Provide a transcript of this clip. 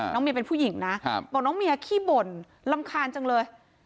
เมียเป็นผู้หญิงนะบอกน้องเมียขี้บ่นรำคาญจังเลย